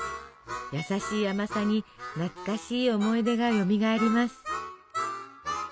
やさしい甘さに懐かしい思い出がよみがえります。